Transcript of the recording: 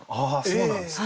そうなんですか。